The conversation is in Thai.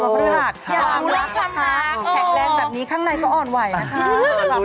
อย่าลืมรักค่ะแข็งแรงแบบนี้ข้างในก็อ่อนไหวนะคะ